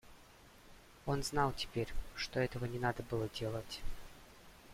Он знал теперь, что этого не надо было делать.